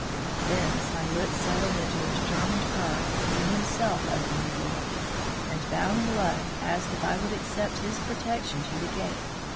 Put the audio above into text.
Then, as my lips settled into a determined curve, he himself opened the door, and bowing low, asked if I would accept his protection to the gate.